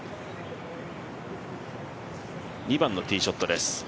２番のティーショットです。